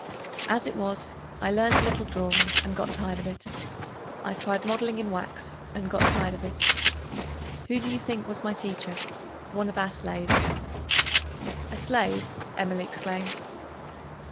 As it was, I learned a little drawing and got tired of it. I tried modeling in wax and got tired of it. Who do you think was my teacher? One of our slaves." "A slave!" Emily exclaimed.